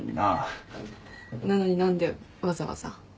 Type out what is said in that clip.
なのに何でわざわざ？